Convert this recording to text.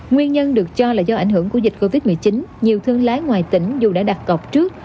nguyên nhân được cho là do ảnh hưởng của dịch covid một mươi chín nhiều thương lái ngoài tỉnh dù đã đặt cọc trước